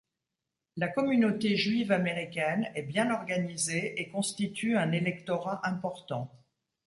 La communauté juive américaine est bien organisée et constitue un électorat important.